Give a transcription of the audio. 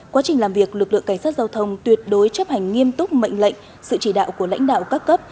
quá trình làm việc lực lượng cảnh sát giao thông tuyệt đối chấp hành nghiêm túc mệnh lệnh sự chỉ đạo của lãnh đạo các cấp